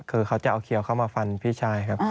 คือเขาจะเอาเขียวเข้ามาฟันพี่ชายครับ